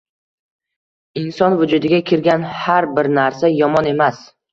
Inson vujudiga kirgan har bir narsa yomon emas.